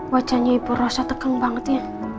wajahnya ibu rasa tegang banget ya